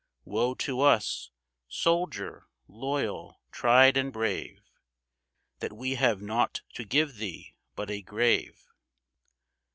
Woe to us, soldier, loyal, tried, and brave, That we have naught to give thee but a grave.